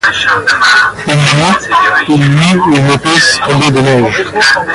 Une nuit, il y eut une épaisse tombée de neige.